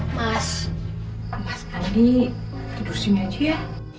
mas mas andi tidur sini aja ya